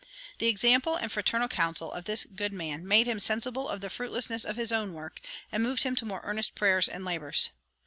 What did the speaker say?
The example and fraternal counsel of this good man made him sensible of the fruitlessness of his own work, and moved him to more earnest prayers and labors.